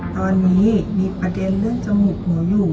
ตอนนี้มีประเด็นเรื่องจมูกหนูอยู่